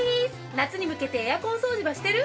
夏に向けてエアコン掃除はしてる？